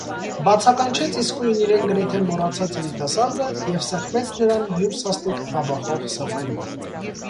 - բացականչեց իսկույն իրեն գրեթե մոռացած երիտասարդը և սեղմեց նրան յուր սաստիկ բաբախող սրտին.